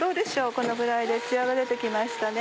このぐらいでツヤが出て来ましたね。